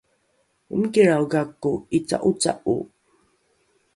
omikilrao gako ’ica’oca’o